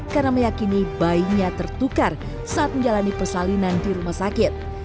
karena meyakini bayinya tertukar saat menjalani persalinan di rumah sakit